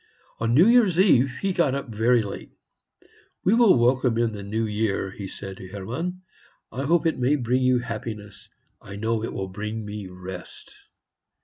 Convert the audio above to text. On New Year's Eve he got up very late. "We will welcome in the New Year," he said to Hermann. "I hope it may bring you happiness; I know it will bring me rest."